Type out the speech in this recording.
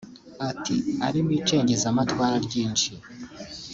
Ati “Arimo icengezamatwara ryinshi